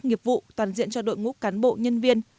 nghiệp vụ toàn diện cho đội ngũ cán bộ nhân viên